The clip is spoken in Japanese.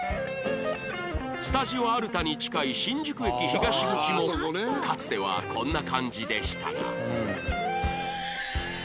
スタジオアルタに近い新宿駅東口もかつてはこんな感じでしたが